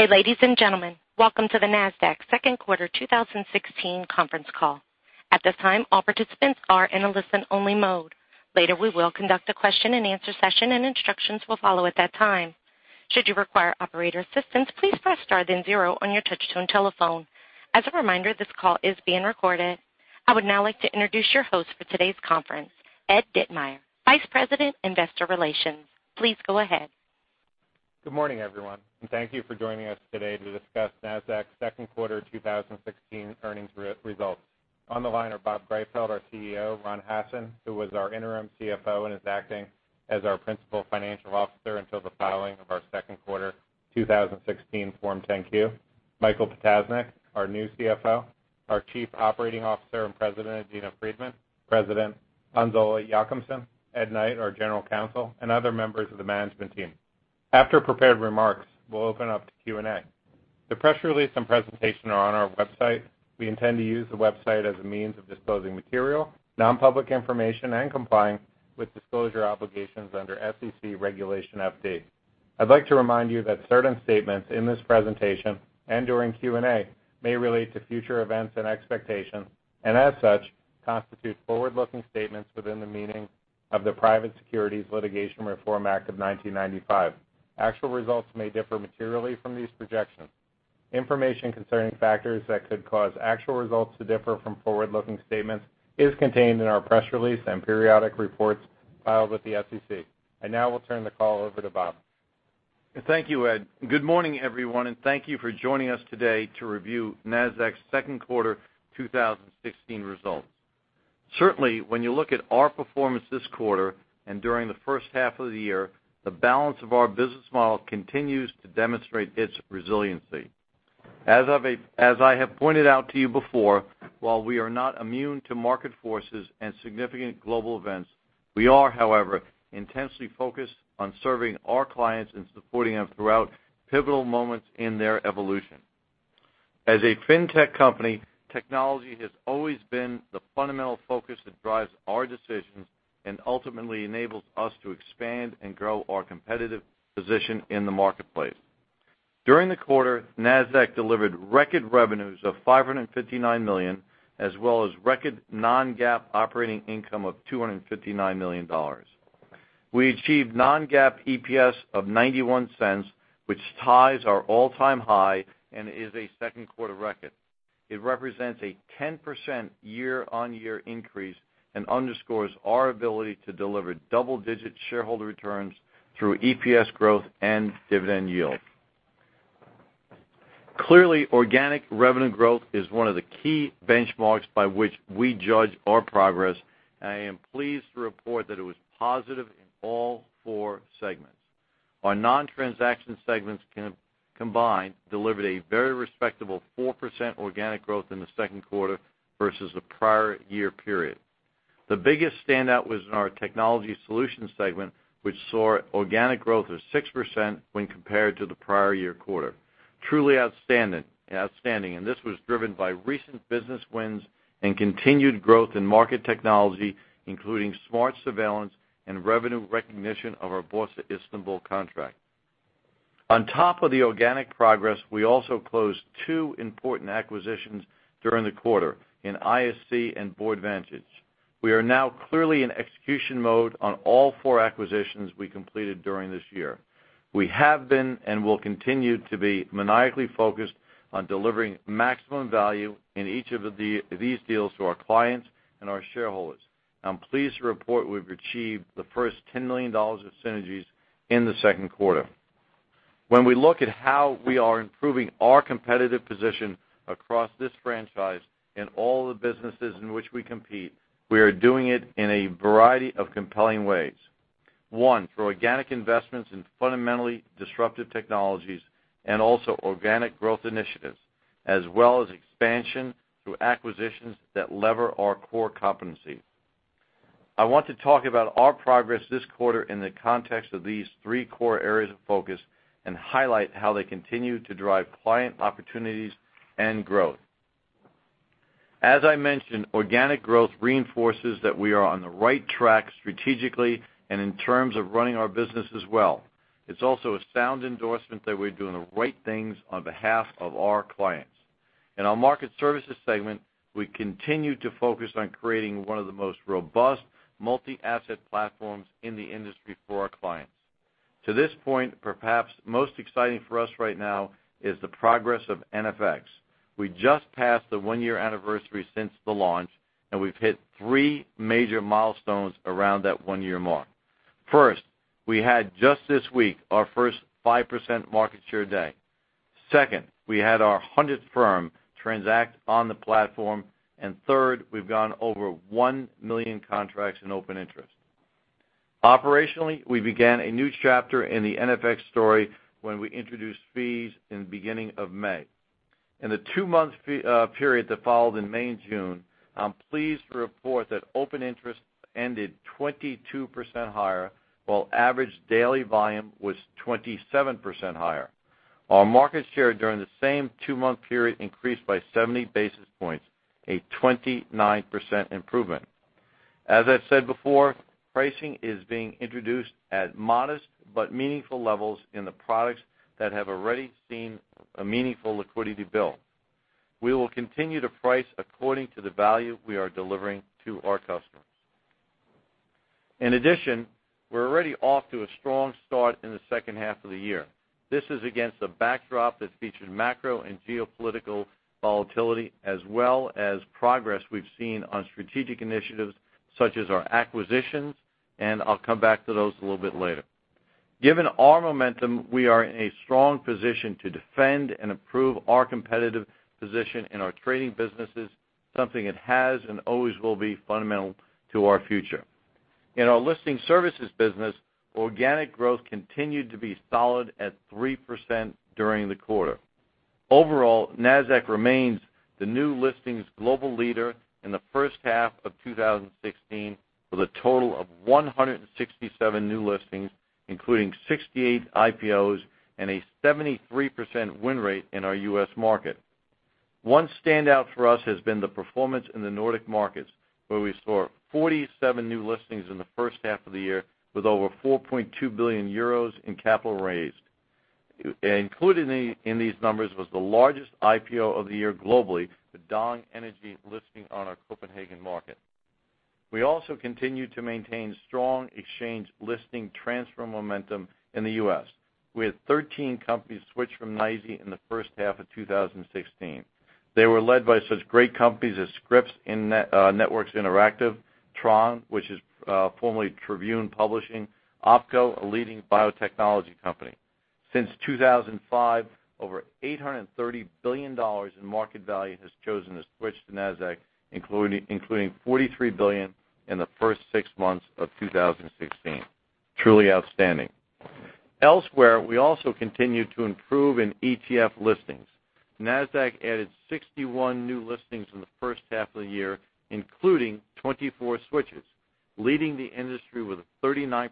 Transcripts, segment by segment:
Good day, ladies and gentlemen. Welcome to the Nasdaq second quarter 2016 conference call. At this time, all participants are in a listen-only mode. Later, we will conduct a question and answer session. Instructions will follow at that time. Should you require operator assistance, please press star then zero on your touch-tone telephone. As a reminder, this call is being recorded. I would now like to introduce your host for today's conference, Ed Ditmire, vice president, Investor Relations. Please go ahead. Good morning, everyone. Thank you for joining us today to discuss Nasdaq's second quarter 2016 earnings results. On the line are Bob Greifeld, our CEO, Ronald Hassen, who was our interim CFO and is acting as our principal financial officer until the filing of our second quarter 2016 Form 10-Q, Michael Ptasznik, our new CFO, our Chief Operating Officer and President, Adena Friedman, President, Hans-Ole Jochumsen, Edward Knight, our general counsel, and other members of the management team. After prepared remarks, we'll open up to Q&A. The press release and presentation are on our website. We intend to use the website as a means of disclosing material, non-public information, and complying with disclosure obligations under SEC Regulation FD. I'd like to remind you that certain statements in this presentation and during Q&A may relate to future events and expectations. As such, constitute forward-looking statements within the meaning of the Private Securities Litigation Reform Act of 1995. Actual results may differ materially from these projections. Information concerning factors that could cause actual results to differ from forward-looking statements is contained in our press release and periodic reports filed with the SEC. I now will turn the call over to Bob. Thank you, Ed. Good morning, everyone. Thank you for joining us today to review Nasdaq's second quarter 2016 results. Certainly, when you look at our performance this quarter and during the first half of the year, the balance of our business model continues to demonstrate its resiliency. As I have pointed out to you before, while we are not immune to market forces and significant global events, we are, however, intensely focused on serving our clients and supporting them throughout pivotal moments in their evolution. As a fintech company, technology has always been the fundamental focus that drives our decisions and ultimately enables us to expand and grow our competitive position in the marketplace. During the quarter, Nasdaq delivered record revenues of $559 million, as well as record non-GAAP operating income of $259 million. We achieved non-GAAP EPS of $0.91, which ties our all-time high and is a 2Q record. It represents a 10% year-over-year increase and underscores our ability to deliver double-digit shareholder returns through EPS growth and dividend yield. Clearly, organic revenue growth is one of the key benchmarks by which we judge our progress. I am pleased to report that it was positive in all 4 segments. Our non-transaction segments combined delivered a very respectable 4% organic growth in the 2Q versus the prior-year period. The biggest standout was in our Technology Solutions segment, which saw organic growth of 6% when compared to the prior-year quarter. Truly outstanding. This was driven by recent business wins and continued growth in market technology, including SMARTS surveillance and revenue recognition of our Borsa İstanbul contract. On top of the organic progress, we also closed 2 important acquisitions during the quarter in ISE and Boardvantage. We are now clearly in execution mode on all 4 acquisitions we completed during this year. We have been and will continue to be maniacally focused on delivering maximum value in each of these deals to our clients and our shareholders. I'm pleased to report we've achieved the first $10 million of synergies in the 2Q. When we look at how we are improving our competitive position across this franchise in all the businesses in which we compete, we are doing it in a variety of compelling ways. One, through organic investments in fundamentally disruptive technologies and also organic growth initiatives, as well as expansion through acquisitions that lever our core competencies. I want to talk about our progress this quarter in the context of these 3 core areas of focus and highlight how they continue to drive client opportunities and growth. As I mentioned, organic growth reinforces that we are on the right track strategically and in terms of running our business as well. It's also a sound endorsement that we're doing the right things on behalf of our clients. In our Market Services segment, we continue to focus on creating one of the most robust multi-asset platforms in the industry for our clients. To this point, perhaps most exciting for us right now is the progress of NFX. We just passed the 1-year anniversary since the launch, and we've hit 3 major milestones around that 1-year mark. 1st, we had just this week our first 5% market share day. 2nd, we had our 100th firm transact on the platform. And 3rd, we've gone over 1 million contracts in open interest. Operationally, we began a new chapter in the NFX story when we introduced fees in the beginning of May. In the 2-month period that followed in May and June, I'm pleased to report that open interest ended 22% higher, while average daily volume was 27% higher. Our market share during the same 2-month period increased by 70 basis points, a 29% improvement. As I've said before, pricing is being introduced at modest but meaningful levels in the products that have already seen a meaningful liquidity build. We will continue to price according to the value we are delivering to our customers. In addition, we're already off to a strong start in the 2nd half of the year. This is against a backdrop that features macro and geopolitical volatility, as well as progress we've seen on strategic initiatives such as our acquisitions. I'll come back to those a little bit later. Given our momentum, we are in a strong position to defend and improve our competitive position in our trading businesses, something that has and always will be fundamental to our future. In our listing services business, organic growth continued to be solid at 3% during the quarter. Overall, Nasdaq remains the new listings global leader in the first half of 2016, with a total of 167 new listings, including 68 IPOs and a 73% win rate in our U.S. market. One standout for us has been the performance in the Nordic markets, where we saw 47 new listings in the first half of the year, with over €4.2 billion in capital raised. Included in these numbers was the largest IPO of the year globally, the DONG Energy listing on our Copenhagen market. We also continue to maintain strong exchange listing transfer momentum in the U.S. We had 13 companies switch from NYSE in the first half of 2016. They were led by such great companies as Scripps Networks Interactive, Tronc, which is formerly Tribune Publishing, OPKO, a leading biotechnology company. Since 2005, over $830 billion in market value has chosen to switch to Nasdaq, including $43 billion in the first six months of 2016. Truly outstanding. Elsewhere, we also continue to improve in ETF listings. Nasdaq added 61 new listings in the first half of the year, including 24 switches, leading the industry with a 39%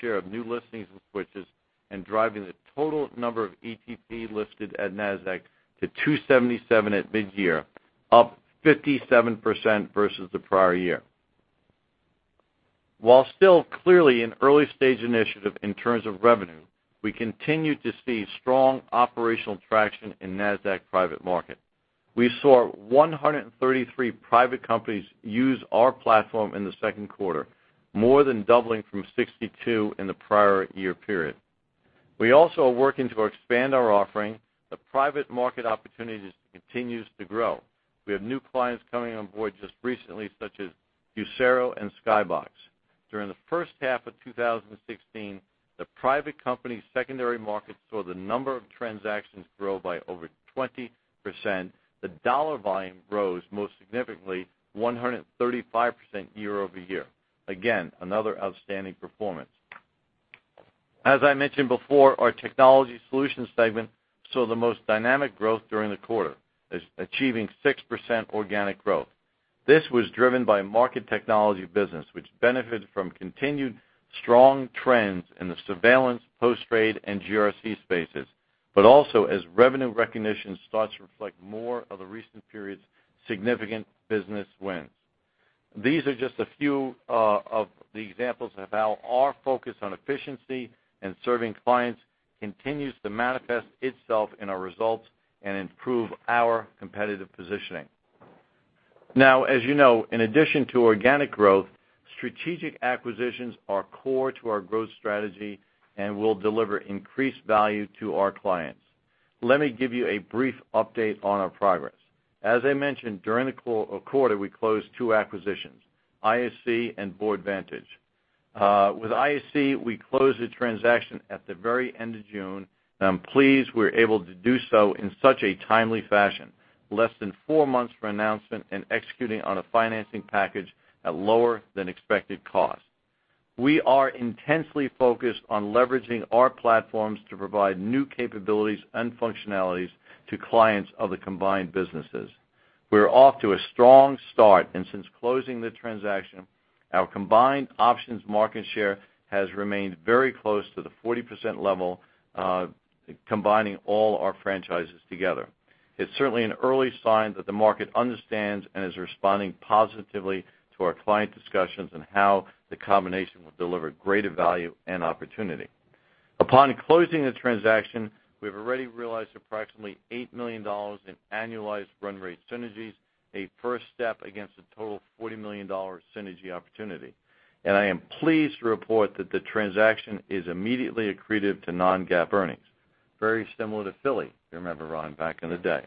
share of new listings and switches, and driving the total number of ETP listed at Nasdaq to 277 at mid-year, up 57% versus the prior year. While still clearly an early-stage initiative in terms of revenue, we continue to see strong operational traction in Nasdaq Private Market. We saw 133 private companies use our platform in the second quarter, more than doubling from 62 in the prior year period. We also are working to expand our offering. The private market opportunities continues to grow. We have new clients coming on board just recently, such as [Usero] and Skybox. During the first half of 2016, the private company secondary market saw the number of transactions grow by over 20%. The dollar volume rose most significantly, 135% year-over-year. Again, another outstanding performance. As I mentioned before, our technology solutions segment saw the most dynamic growth during the quarter, achieving 6% organic growth. This was driven by market technology business, which benefited from continued strong trends in the surveillance, post-trade, and GRC spaces, also as revenue recognition starts to reflect more of the recent period's significant business wins. These are just a few of the examples of how our focus on efficiency and serving clients continues to manifest itself in our results and improve our competitive positioning. As you know, in addition to organic growth, strategic acquisitions are core to our growth strategy and will deliver increased value to our clients. Let me give you a brief update on our progress. As I mentioned, during the quarter, we closed two acquisitions, ISE and Boardvantage. With ISE, we closed the transaction at the very end of June. I'm pleased we were able to do so in such a timely fashion. Less than four months from announcement and executing on a financing package at lower than expected cost. We are intensely focused on leveraging our platforms to provide new capabilities and functionalities to clients of the combined businesses. We're off to a strong start. Since closing the transaction, our combined options market share has remained very close to the 40% level, combining all our franchises together. It's certainly an early sign that the market understands and is responding positively to our client discussions on how the combination will deliver greater value and opportunity. Upon closing the transaction, we've already realized approximately $8 million in annualized run rate synergies, a first step against the total $40 million synergy opportunity. I am pleased to report that the transaction is immediately accretive to non-GAAP earnings. Very similar to Philly, if you remember, Ron, back in the day.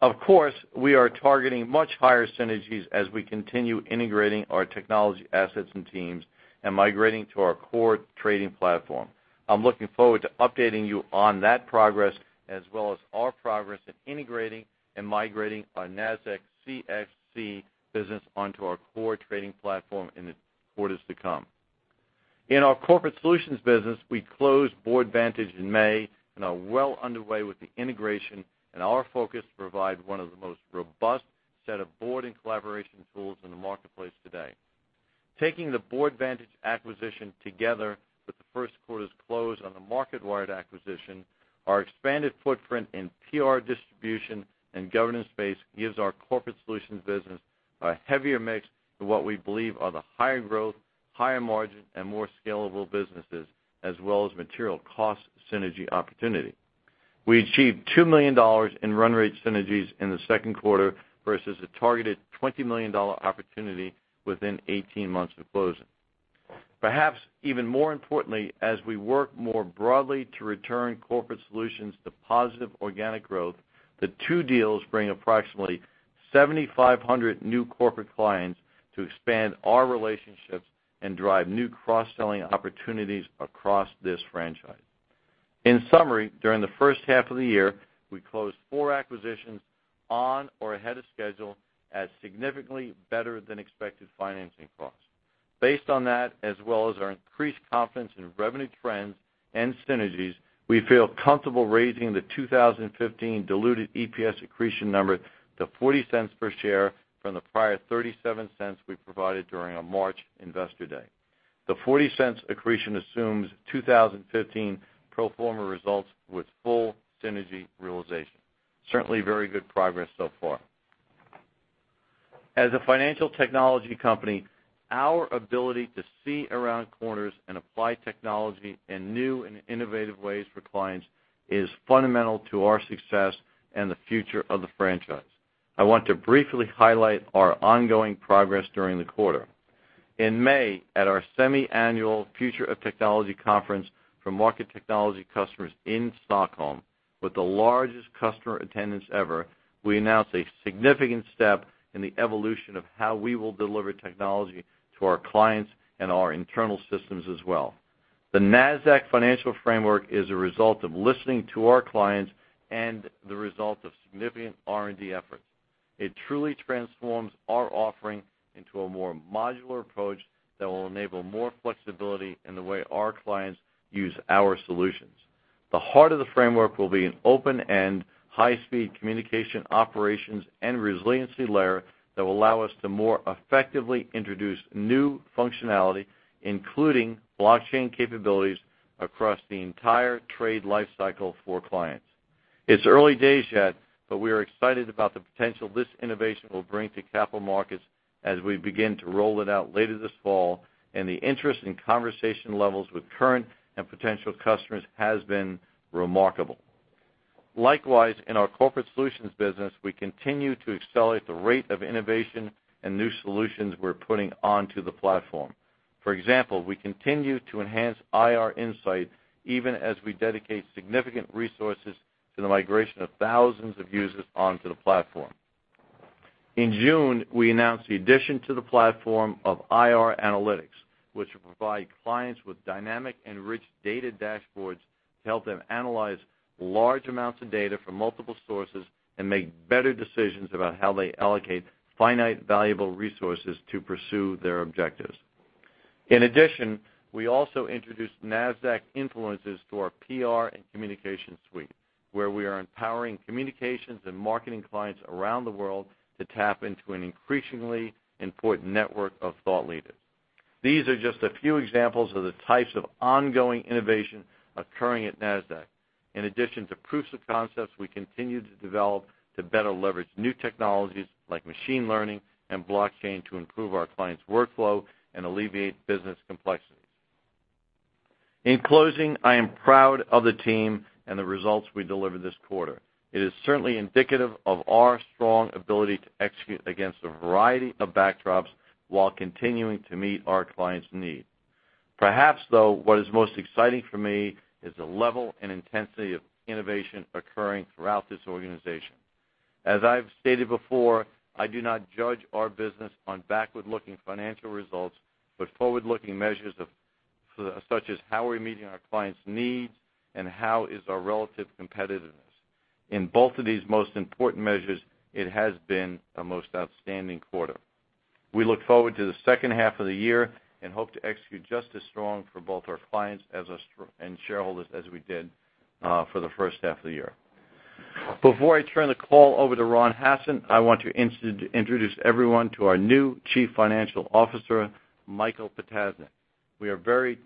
Of course, we are targeting much higher synergies as we continue integrating our technology assets and teams and migrating to our core trading platform. I'm looking forward to updating you on that progress, as well as our progress in integrating and migrating our Nasdaq CXC business onto our core trading platform in the quarters to come. In our corporate solutions business, we closed Boardvantage in May and are well underway with the integration and our focus to provide one of the most robust set of board and collaboration tools in the marketplace today. Taking the Boardvantage acquisition together with the first quarter's close on the Marketwired acquisition, our expanded footprint in PR distribution and governance space gives our corporate solutions business a heavier mix than what we believe are the higher growth, higher margin, and more scalable businesses, as well as material cost synergy opportunity. We achieved $2 million in run rate synergies in the second quarter versus a targeted $20 million opportunity within 18 months of closing. Perhaps even more importantly, as we work more broadly to return corporate solutions to positive organic growth, the two deals bring approximately 7,500 new corporate clients to expand our relationships and drive new cross-selling opportunities across this franchise. In summary, during the first half of the year, we closed four acquisitions on or ahead of schedule at significantly better than expected financing costs. Based on that, as well as our increased confidence in revenue trends and synergies, we feel comfortable raising the 2015 diluted EPS accretion number to $0.40 per share from the prior $0.37 we provided during our March Investor Day. The $0.40 accretion assumes 2015 pro forma results with full synergy realization. Certainly very good progress so far. As a financial technology company, our ability to see around corners and apply technology in new and innovative ways for clients is fundamental to our success and the future of the franchise. I want to briefly highlight our ongoing progress during the quarter. In May, at our semi-annual Future of Technology Conference for market technology customers in Stockholm, with the largest customer attendance ever, we announced a significant step in the evolution of how we will deliver technology to our clients and our internal systems as well. The Nasdaq Financial Framework is a result of listening to our clients and the result of significant R&D efforts. It truly transforms our offering into a more modular approach that will enable more flexibility in the way our clients use our solutions. The heart of the framework will be an open and high-speed communication, operations, and resiliency layer that will allow us to more effectively introduce new functionality, including blockchain capabilities, across the entire trade life cycle for clients. It's early days yet, but we are excited about the potential this innovation will bring to capital markets as we begin to roll it out later this fall. The interest and conversation levels with current and potential customers has been remarkable. Likewise, in our corporate solutions business, we continue to accelerate the rate of innovation and new solutions we're putting onto the platform. For example, we continue to enhance IR Insight even as we dedicate significant resources to the migration of thousands of users onto the platform. In June, we announced the addition to the platform of IR Analytics, which will provide clients with dynamic and rich data dashboards to help them analyze large amounts of data from multiple sources and make better decisions about how they allocate finite, valuable resources to pursue their objectives. In addition, we also introduced Nasdaq Influencers to our PR and communication suite, where we are empowering communications and marketing clients around the world to tap into an increasingly important network of thought leaders. These are just a few examples of the types of ongoing innovation occurring at Nasdaq. In addition to proofs of concepts we continue to develop to better leverage new technologies like machine learning and blockchain to improve our clients' workflow and alleviate business complexities. In closing, I am proud of the team and the results we delivered this quarter. It is certainly indicative of our strong ability to execute against a variety of backdrops while continuing to meet our clients' needs. Perhaps, though, what is most exciting for me is the level and intensity of innovation occurring throughout this organization. As I've stated before, I do not judge our business on backward-looking financial results, but forward-looking measures, such as how are we meeting our clients' needs and how is our relative competitiveness. In both of these most important measures, it has been a most outstanding quarter. We look forward to the second half of the year and hope to execute just as strong for both our clients and shareholders as we did for the first half of the year. Before I turn the call over to Ron Hassen, I want to introduce everyone to our new Chief Financial Officer, Michael Ptasznik. We are very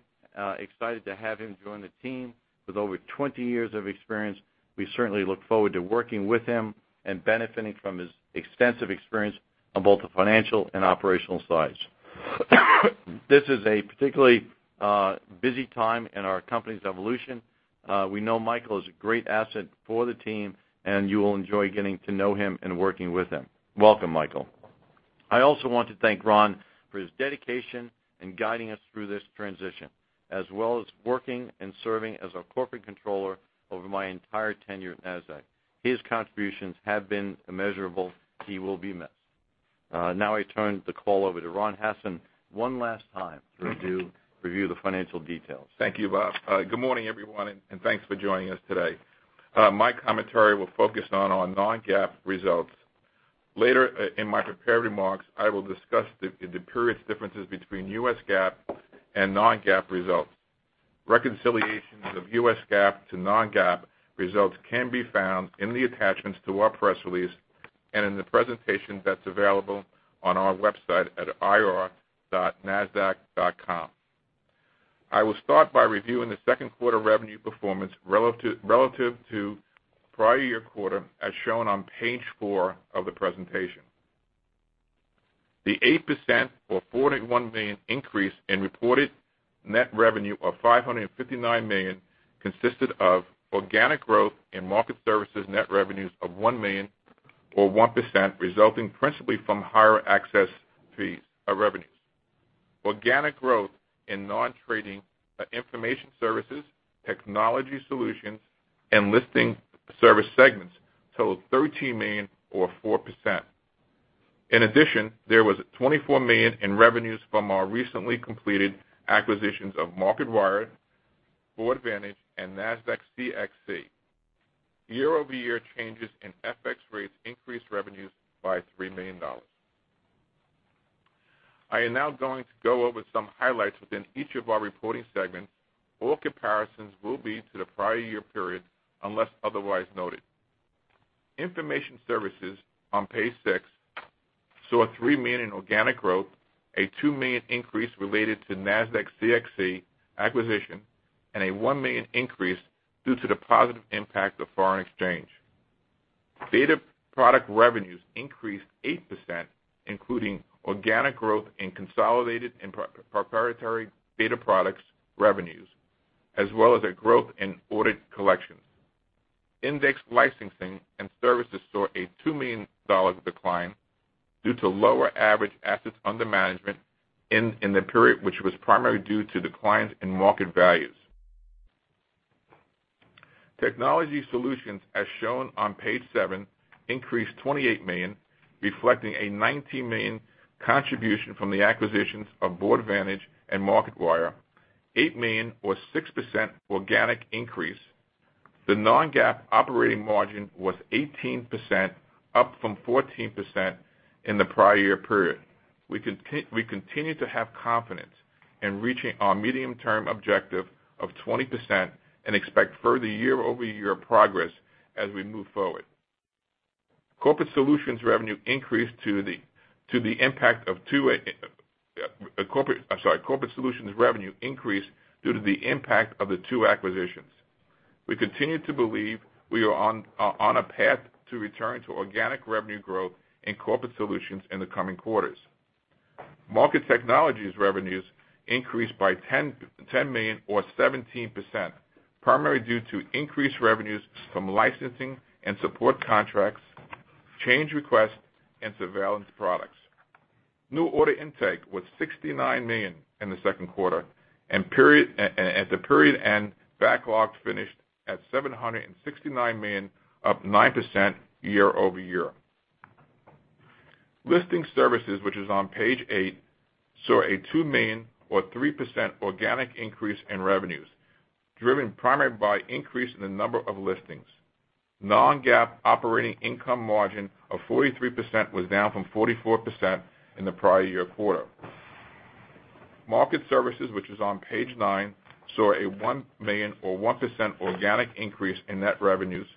excited to have him join the team. With over 20 years of experience, we certainly look forward to working with him and benefiting from his extensive experience on both the financial and operational sides. This is a particularly busy time in our company's evolution. We know Michael is a great asset for the team, and you will enjoy getting to know him and working with him. Welcome, Michael. I also want to thank Ron for his dedication in guiding us through this transition, as well as working and serving as our corporate controller over my entire tenure at Nasdaq. His contributions have been immeasurable. He will be missed. Now I turn the call over to Ron Hassen one last time to review the financial details. Thank you, Bob. Good morning, everyone, and thanks for joining us today. My commentary will focus on our non-GAAP results. Later in my prepared remarks, I will discuss the periods differences between U.S. GAAP and non-GAAP results. Reconciliations of U.S. GAAP to non-GAAP results can be found in the attachments to our press release and in the presentation that's available on our website at ir.nasdaq.com. I will start by reviewing the second quarter revenue performance relative to prior year quarter as shown on page four of the presentation. The 8% or $41 million increase in reported net revenue of $559 million consisted of organic growth in Market Services net revenues of $1 million or 1%, resulting principally from higher access fees of revenues. Organic growth in non-trading Information Services, Technology Solutions, and Listing Services segments totaled $13 million or 4%. In addition, there was $24 million in revenues from our recently completed acquisitions of Marketwired, Boardvantage and Nasdaq CXC. Year-over-year changes in FX rates increased revenues by $3 million. I am now going to go over some highlights within each of our reporting segments. All comparisons will be to the prior year period, unless otherwise noted. Information Services on page six saw a $3 million organic growth, a $2 million increase related to Nasdaq CXC acquisition, and a $1 million increase due to the positive impact of foreign exchange. Data product revenues increased 8%, including organic growth in consolidated and proprietary data products revenues, as well as a growth in audit collections. Index Licensing and Services saw a $2 million decline due to lower average assets under management in the period, which was primarily due to declines in market values. Technology Solutions, as shown on page seven, increased $28 million, reflecting a $19 million contribution from the acquisitions of Boardvantage and Marketwired, $8 million or 6% organic increase. The non-GAAP operating margin was 18%, up from 14% in the prior year period. We continue to have confidence in reaching our medium-term objective of 20% and expect further year-over-year progress as we move forward. Corporate Solutions revenue increased due to the impact of the two acquisitions. We continue to believe we are on a path to return to organic revenue growth in Corporate Solutions in the coming quarters. Market Technologies revenues increased by $10 million or 17%, primarily due to increased revenues from licensing and support contracts, change requests, and surveillance products. New order intake was $69 million in the second quarter, and at the period end, backlog finished at $769 million, up 9% year-over-year. Listing Services, which is on page eight, saw a $2 million or 3% organic increase in revenues, driven primarily by increase in the number of listings. Non-GAAP operating income margin of 43% was down from 44% in the prior year quarter. Market Services, which is on page nine, saw a $1 million or 1% organic increase in net revenues,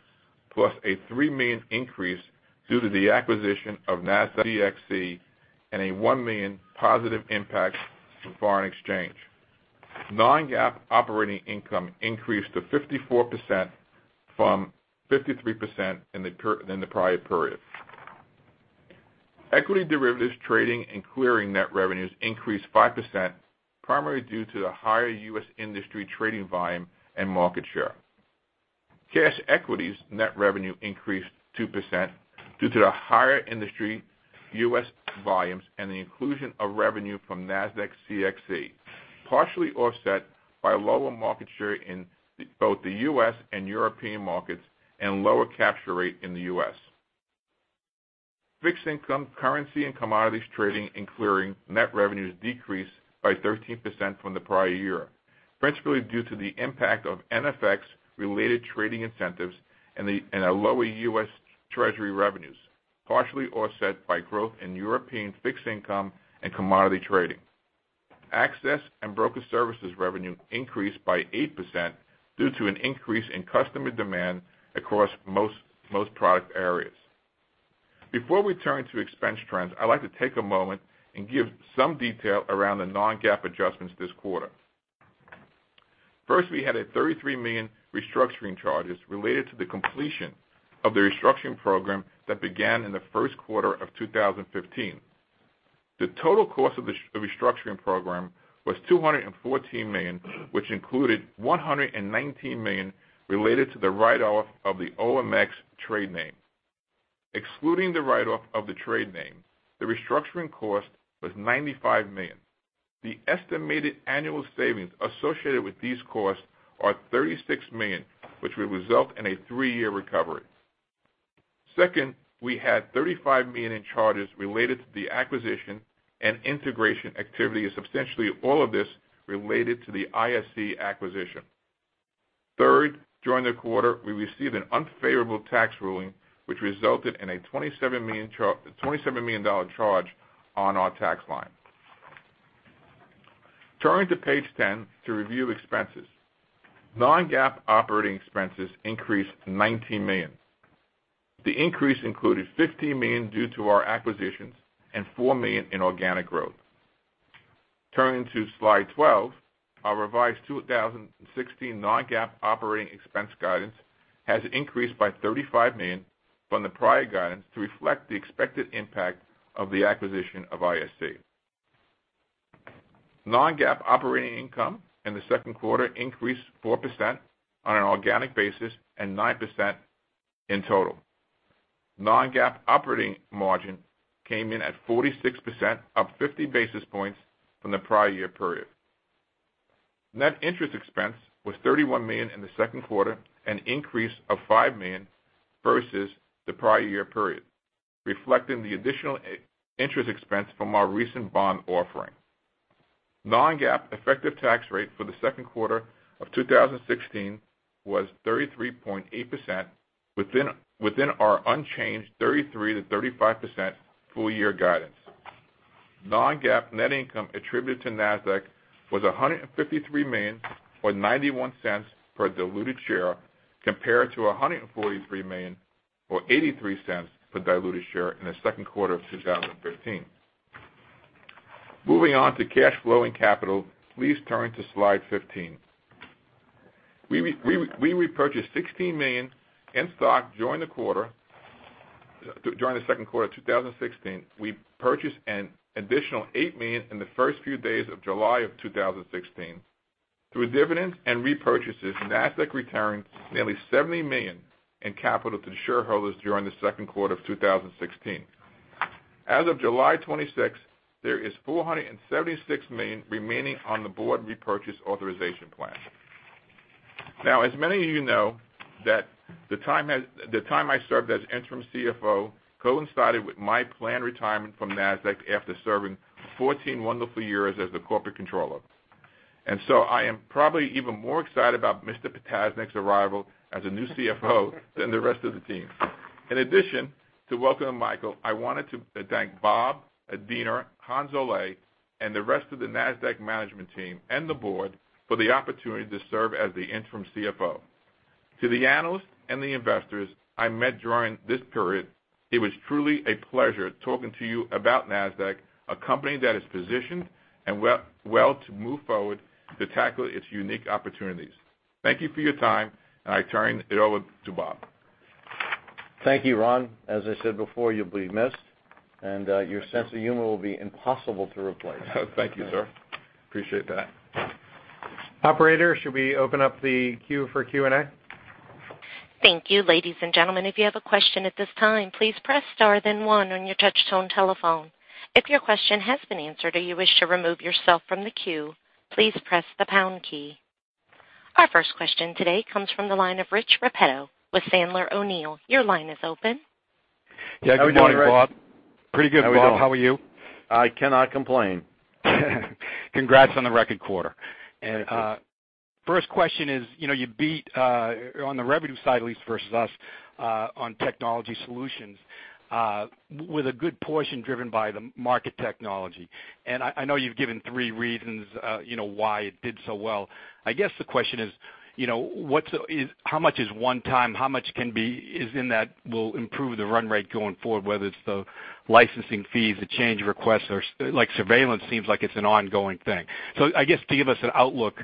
plus a $3 million increase due to the acquisition of Nasdaq CXC and a $1 million positive impact from foreign exchange. Non-GAAP operating income increased to 54% from 53% in the prior period. Equity derivatives trading and clearing net revenues increased 5%, primarily due to the higher U.S. industry trading volume and market share. Cash equities net revenue increased 2% due to the higher industry U.S. volumes and the inclusion of revenue from Nasdaq CXC, partially offset by lower market share in both the U.S. and European markets and lower capture rate in the U.S. Fixed income currency and commodities trading and clearing net revenues decreased by 13% from the prior year, principally due to the impact of NFX-related trading incentives and lower U.S. Treasury revenues, partially offset by growth in European fixed income and commodity trading. Access and broker services revenue increased by 8% due to an increase in customer demand across most product areas. Before we turn to expense trends, I'd like to take a moment and give some detail around the non-GAAP adjustments this quarter. First, we had a $33 million restructuring charges related to the completion of the restructuring program that began in the first quarter of 2015. The total cost of the restructuring program was $214 million, which included $119 million related to the write-off of the OMX trade name. Excluding the write-off of the trade name, the restructuring cost was $95 million. The estimated annual savings associated with these costs are $36 million, which will result in a three-year recovery. Second, we had $35 million in charges related to the acquisition and integration activity, substantially all of this related to the ISE acquisition. Third, during the quarter, we received an unfavorable tax ruling, which resulted in a $27 million charge on our tax line. Turning to page 10 to review expenses. Non-GAAP operating expenses increased to $19 million. The increase included $15 million due to our acquisitions and $4 million in organic growth. Turning to slide 12, our revised 2016 non-GAAP operating expense guidance has increased by $35 million from the prior guidance to reflect the expected impact of the acquisition of ISE. Non-GAAP operating income in the second quarter increased 4% on an organic basis and 9% in total. Non-GAAP operating margin came in at 46%, up 50 basis points from the prior year period. Net interest expense was $31 million in the second quarter, an increase of $5 million versus the prior year period, reflecting the additional interest expense from our recent bond offering. Non-GAAP effective tax rate for the second quarter of 2016 was 33.8%, within our unchanged 33%-35% full-year guidance. Non-GAAP net income attributed to Nasdaq was $153 million, or $0.91 per diluted share, compared to $143 million or $0.83 per diluted share in the second quarter of 2015. Moving on to cash flow and capital. Please turn to slide 15. We repurchased $16 million in stock during the second quarter of 2016. We purchased an additional $8 million in the first few days of July of 2016. Through dividends and repurchases, Nasdaq returned nearly $70 million in capital to shareholders during the second quarter of 2016. As of July 26, there is $476 million remaining on the board repurchase authorization plan. I am probably even more excited about Mr. Ptasznik's arrival as a new CFO than the rest of the team. In addition, to welcome Michael, I wanted to thank Bob, Adena, Hans-Ole, and the rest of the Nasdaq management team and the board for the opportunity to serve as the Interim CFO. To the analysts and the investors I met during this period, it was truly a pleasure talking to you about Nasdaq, a company that is positioned and well to move forward to tackle its unique opportunities. Thank you for your time. I turn it over to Bob. Thank you, Ron. As I said before, you'll be missed. Your sense of humor will be impossible to replace. Thank you, sir. Appreciate that. Operator, should we open up the queue for Q&A? Thank you. Ladies and gentlemen, if you have a question at this time, please press star, then one on your touch-tone telephone. If your question has been answered or you wish to remove yourself from the queue, please press the pound key. Our first question today comes from the line of Rich Repetto with Sandler O'Neill. Your line is open. Yeah, good morning, Rich. How are we doing, Bob? Pretty good, Bob. How are you? I cannot complain. Congrats on the record quarter. Thank you. First question is, you beat on the revenue side at least versus us on technology solutions, with a good portion driven by the market technology. I know you've given three reasons why it did so well. I guess the question is, how much is one-time? How much is in that will improve the run rate going forward, whether it's the licensing fees, the change requests, or surveillance seems like it's an ongoing thing. I guess to give us an outlook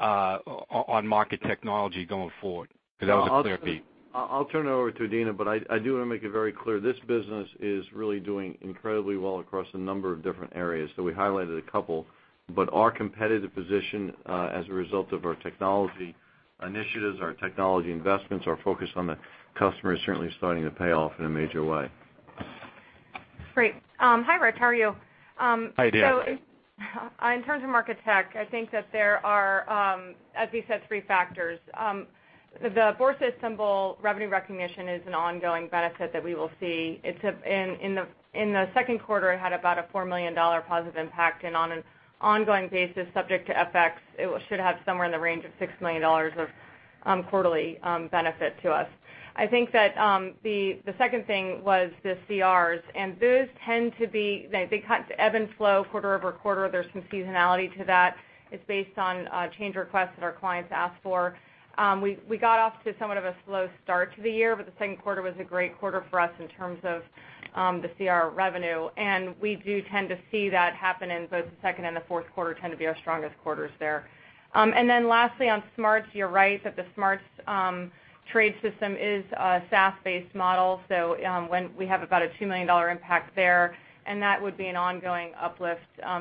on market technology going forward, because that was a clear beat. I'll turn it over to Adena, but I do want to make it very clear, this business is really doing incredibly well across a number of different areas. We highlighted a couple, but our competitive position, as a result of our technology initiatives, our technology investments, our focus on the customer, is certainly starting to pay off in a major way. Great. Hi, Rich. How are you? Hi, Adena. In terms of market tech, I think that there are, as we said, three factors. The Borsa İstanbul revenue recognition is an ongoing benefit that we will see. In the second quarter, it had about a $4 million positive impact, and on an ongoing basis, subject to FX, it should have somewhere in the range of $6 million of quarterly benefit to us. I think that the second thing was the CRs. Those tend to ebb and flow quarter-over-quarter. There's some seasonality to that. It's based on change requests that our clients ask for. We got off to somewhat of a slow start to the year, the second quarter was a great quarter for us in terms of the CR revenue. We do tend to see that happen in both the second and the fourth quarter tend to be our strongest quarters there. Lastly, on SMARTS, you're right that the SMARTS Trade system is a SaaS-based model, so we have about a $2 million impact there, and that would be an ongoing uplift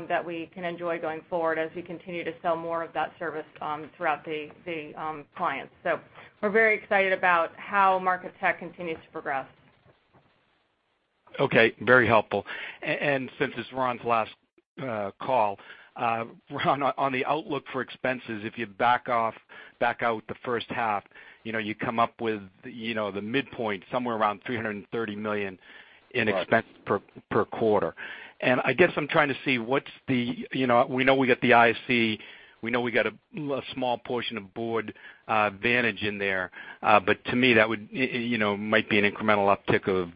that we can enjoy going forward as we continue to sell more of that service throughout the clients. We're very excited about how market tech continues to progress. Okay. Very helpful. Since it's Ron's last call, Ron, on the outlook for expenses, if you back out the first half, you come up with the midpoint somewhere around $330 million in expense per quarter. I guess I'm trying to see. We know we got the ISE We know we got a small portion of Boardvantage in there. To me, that might be an incremental uptick of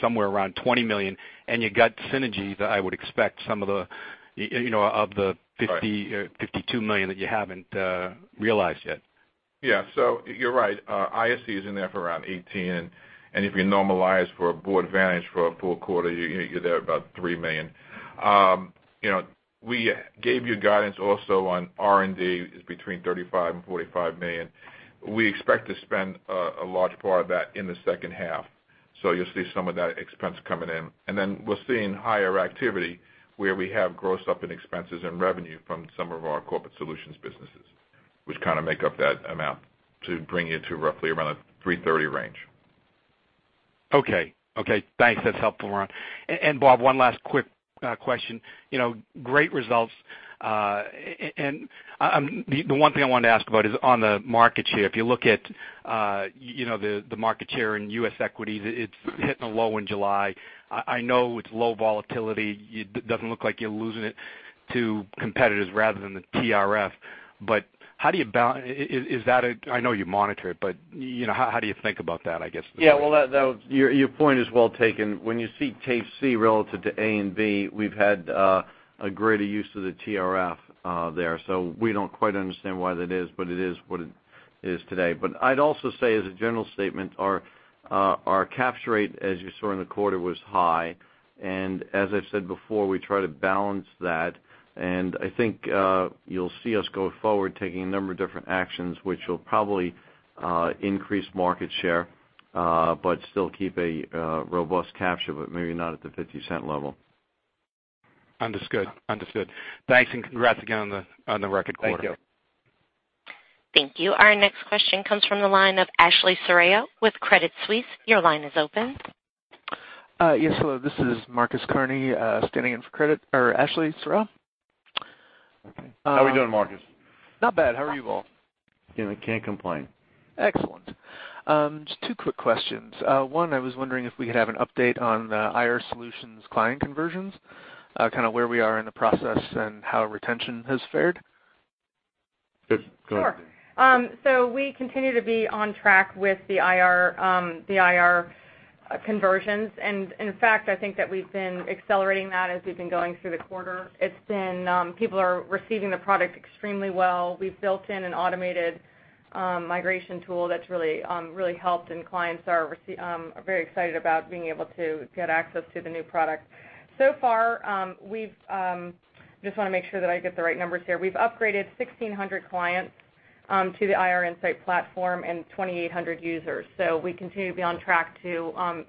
somewhere around $20 million. You got synergies, I would expect Right of the $52 million that you haven't realized yet. Yeah. You're right. ISE is in there for around $18 million, and if you normalize for a Boardvantage for a full quarter, you're there about $3 million. We gave you guidance also on R&D is between $35 million and $45 million. We expect to spend a large part of that in the second half. You'll see some of that expense coming in. Then we're seeing higher activity where we have gross up in expenses and revenue from some of our corporate solutions businesses, which kind of make up that amount to bring you to roughly around the $330 range. Okay. Thanks. That's helpful, Ron. Bob, one last quick question. Great results, the one thing I wanted to ask about is on the market share. If you look at the market share in U.S. equities, it's hitting a low in July. I know it's low volatility. It doesn't look like you're losing it to competitors rather than the TRF. I know you monitor it, but how do you think about that, I guess? Yeah. Well, your point is well taken. When you see Tape C relative to A and B, we've had a greater use of the TRF there. We don't quite understand why that is, but it is what it is today. I'd also say as a general statement, our capture rate, as you saw in the quarter, was high, as I've said before, we try to balance that. I think you'll see us go forward taking a number of different actions, which will probably increase market share, but still keep a robust capture, but maybe not at the $0.50 level. Understood. Thanks, congrats again on the record quarter. Thank you. Thank you. Our next question comes from the line of Ashley Serrao with Credit Suisse. Your line is open. Yes, hello. This is Mark Carney, standing in for Credit or Ashley Serrao. Okay. How we doing, Mark? Not bad. How are you all? Can't complain. Excellent. Just two quick questions. One, I was wondering if we could have an update on the IR solutions client conversions, kind of where we are in the process and how retention has fared. Yes. Go ahead. Sure. We continue to be on track with the IR conversions. In fact, I think that we've been accelerating that as we've been going through the quarter. People are receiving the product extremely well. We've built in an automated migration tool that's really helped, and clients are very excited about being able to get access to the new product. Far, I just want to make sure that I get the right numbers here. We've upgraded 1,600 clients to the IR Insight platform and 2,800 users. We continue to be on track to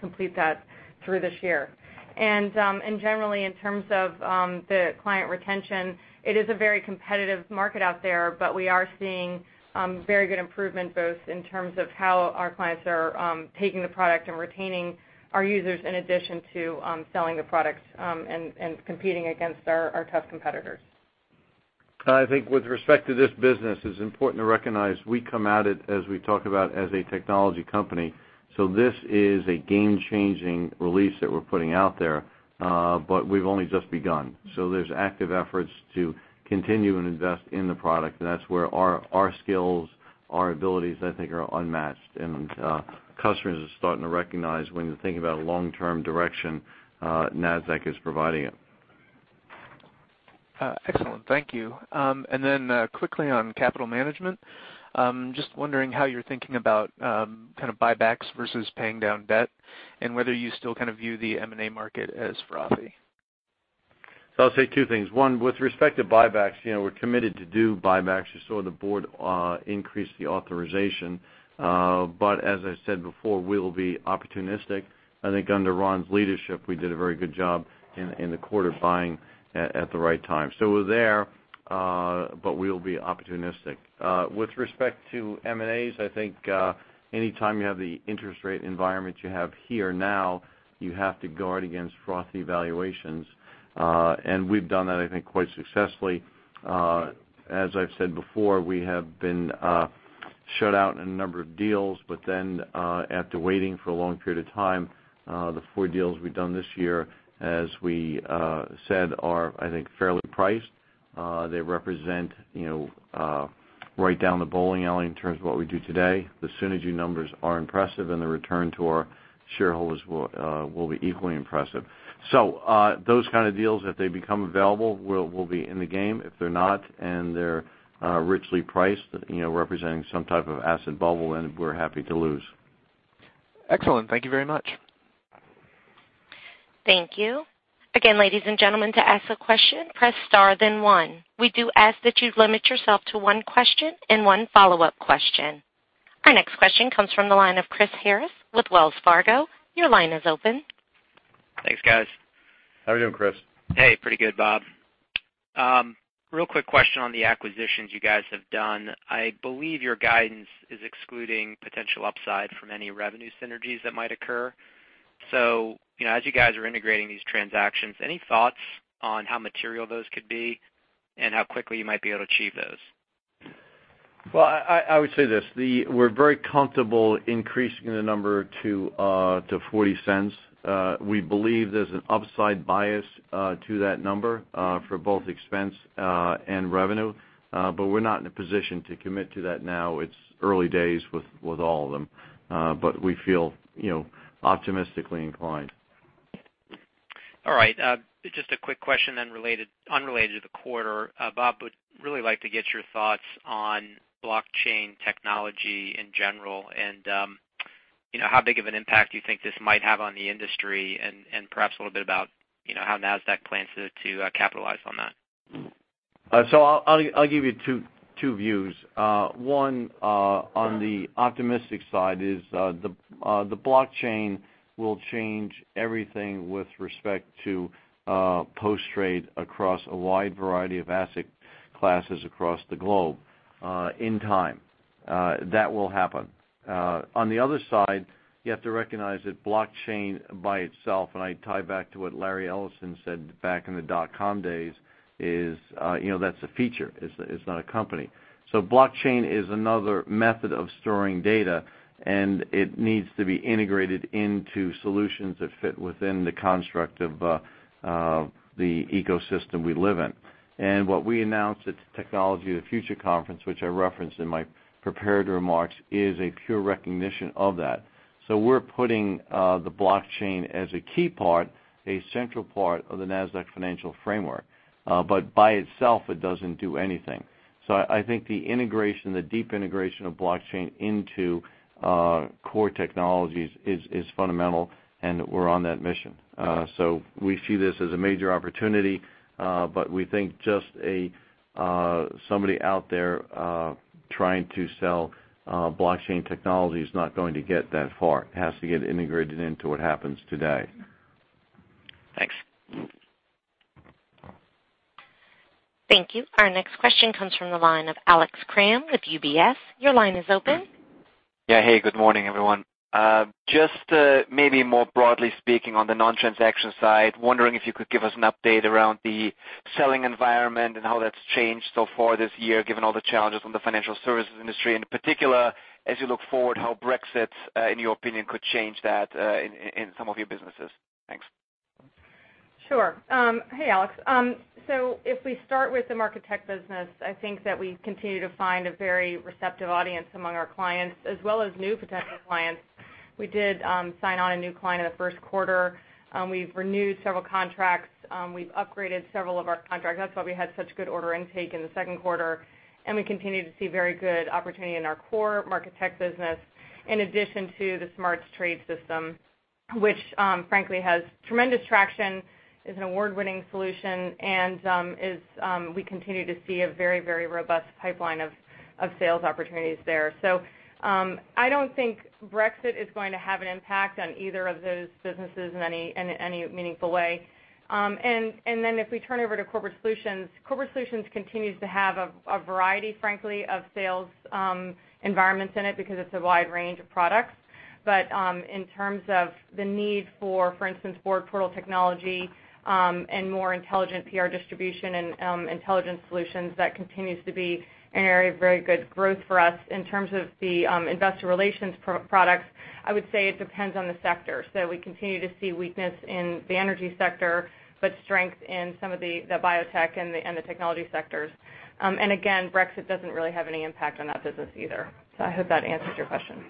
complete that through this year. Generally, in terms of the client retention, it is a very competitive market out there, but we are seeing very good improvement, both in terms of how our clients are taking the product and retaining our users in addition to selling the products, and competing against our tough competitors. I think with respect to this business, it's important to recognize we come at it, as we talk about, as a technology company. This is a game-changing release that we're putting out there. We've only just begun. There's active efforts to continue and invest in the product, and that's where our skills, our abilities, I think, are unmatched. Customers are starting to recognize when you think about long-term direction, Nasdaq is providing it. Excellent. Thank you. Then quickly on capital management, just wondering how you're thinking about kind of buybacks versus paying down debt and whether you still kind of view the M&A market as frothy. I'll say two things. One, with respect to buybacks, we're committed to do buybacks. You saw the board increase the authorization. As I said before, we'll be opportunistic. I think under Ron's leadership, we did a very good job in the quarter buying at the right time. We're there, but we'll be opportunistic. With respect to M&As, I think, anytime you have the interest rate environment you have here now, you have to guard against frothy evaluations. We've done that, I think, quite successfully. As I've said before, we have been shut out in a number of deals, but then, after waiting for a long period of time, the four deals we've done this year, as we said, are, I think, fairly priced. They represent right down the bowling alley in terms of what we do today. The synergy numbers are impressive, and the return to our shareholders will be equally impressive. Those kind of deals, if they become available, we'll be in the game. If they're not, and they're richly priced, representing some type of asset bubble, then we're happy to lose. Excellent. Thank you very much. Thank you. Again, ladies and gentlemen, to ask a question, press star then one. We do ask that you limit yourself to one question and one follow-up question. Our next question comes from the line of Christopher Harris with Wells Fargo. Your line is open. Thanks, guys. How are you doing, Chris? Hey, pretty good, Bob. Real quick question on the acquisitions you guys have done. I believe your guidance is excluding potential upside from any revenue synergies that might occur. As you guys are integrating these transactions, any thoughts on how material those could be and how quickly you might be able to achieve those? Well, I would say this, we're very comfortable increasing the number to $0.40. We believe there's an upside bias to that number for both expense and revenue, we're not in a position to commit to that now. It's early days with all of them. We feel optimistically inclined. All right. Just a quick question unrelated to the quarter. Bob, would really like to get your thoughts on blockchain technology in general, and how big of an impact you think this might have on the industry, and perhaps a little bit about how Nasdaq plans to capitalize on that. I'll give you two views. One, on the optimistic side is the blockchain will change everything with respect to post-trade across a wide variety of asset classes across the globe, in time. That will happen. On the other side, you have to recognize that blockchain by itself, and I tie back to what Larry Ellison said back in the dot-com days, is that's a feature. It's not a company. Blockchain is another method of storing data, and it needs to be integrated into solutions that fit within the construct of the ecosystem we live in. What we announced at the Future of Technology Conference, which I referenced in my prepared remarks, is a pure recognition of that. We're putting the blockchain as a key part, a central part of the Nasdaq Financial Framework. By itself, it doesn't do anything. I think the integration, the deep integration of blockchain into core technologies is fundamental, and we're on that mission. We see this as a major opportunity, but we think just somebody out there trying to sell blockchain technology is not going to get that far. It has to get integrated into what happens today. Thanks. Thank you. Our next question comes from the line of Alex Kramm with UBS. Your line is open. Good morning, everyone. Just maybe more broadly speaking on the non-transaction side, wondering if you could give us an update around the selling environment and how that's changed so far this year, given all the challenges from the financial services industry. In particular, as you look forward, how Brexit, in your opinion, could change that in some of your businesses. Thanks. Sure. Hey, Alex. If we start with the Market Tech business, I think that we continue to find a very receptive audience among our clients, as well as new potential clients. We did sign on a new client in the first quarter. We've renewed several contracts. We've upgraded several of our contracts. That's why we had such good order intake in the second quarter, and we continue to see very good opportunity in our core Market Tech business, in addition to the SMARTS Trade system, which frankly has tremendous traction, is an award-winning solution, and we continue to see a very robust pipeline of sales opportunities there. I don't think Brexit is going to have an impact on either of those businesses in any meaningful way. If we turn over to Corporate Solutions, Corporate Solutions continues to have a variety, frankly, of sales environments in it because it's a wide range of products. But in terms of the need for instance, board portal technology, and more intelligent PR distribution and intelligence solutions, that continues to be an area of very good growth for us. In terms of the investor relations products, I would say it depends on the sector. We continue to see weakness in the energy sector, but strength in some of the biotech and the technology sectors. Again, Brexit doesn't really have any impact on that business either. I hope that answers your question.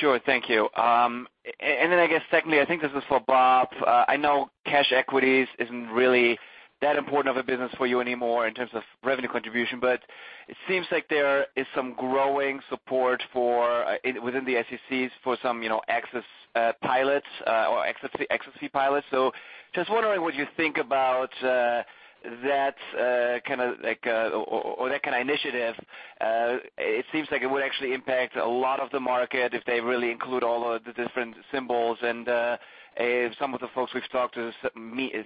Sure. Thank you. I guess secondly, I think this is for Bob. I know cash equities isn't really that important of a business for you anymore in terms of revenue contribution, but it seems like there is some growing support within the SEC for some access pilots or access fee pilots. Just wondering what you think about that kind of initiative. It seems like it would actually impact a lot of the market if they really include all of the different symbols, and some of the folks we've talked to